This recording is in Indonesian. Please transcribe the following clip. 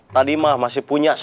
tadi mah masih punya sepuluh ribu